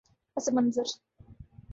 پس منظر